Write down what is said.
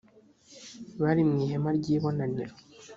bari mu ihema ry’ibonaniro